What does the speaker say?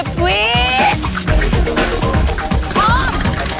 พร้อม